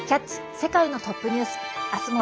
世界のトップニュース」。